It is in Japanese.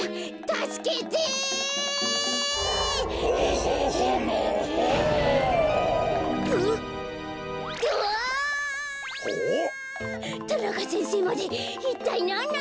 たすけてえ？